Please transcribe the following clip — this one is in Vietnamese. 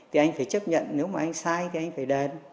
thì anh phải chấp nhận nếu mà anh sai thì anh phải đèn